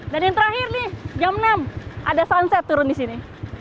dan yang terakhir nih jam enam ada sunset turun di sini